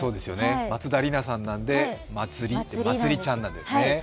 松田里奈さんなのでまつりちゃんなんですよね。